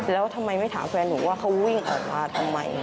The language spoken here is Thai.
แล้วทำไมไม่ถามแฟนหนูว่าเขาวิ่งออกมาทำไม